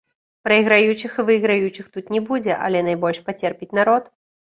Прайграючых і выйграючых тут не будзе, але найбольш пацерпіць народ.